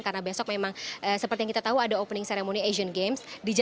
karena besok memang seperti yang kita tahu ada opening ceremony asian games